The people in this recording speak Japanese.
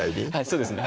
そうですね